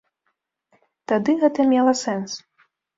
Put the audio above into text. Тады гэта мела сэнс.